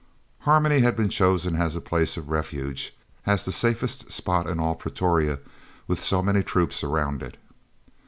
Harmony had been chosen as a place of refuge, as the safest spot in all Pretoria, with so many troops around it!